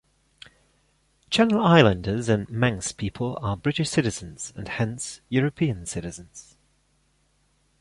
Channel Islanders and Manx people are British citizens and hence European citizens.